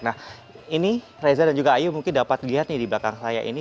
nah ini reza dan juga ayu mungkin dapat dilihat nih di belakang saya ini